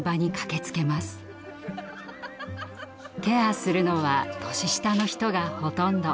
ケアするのは年下の人がほとんど。